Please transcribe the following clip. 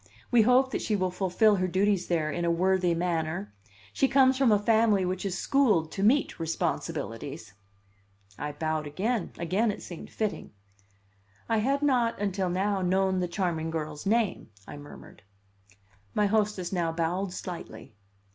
We hope that she will fulfil her duties there in a worthy manner. She comes from a family which is schooled to meet responsibilities." I bowed again; again it seemed fitting. "I had not, until now, known the charming girl's name," I murmured. My hostess now bowed slightly.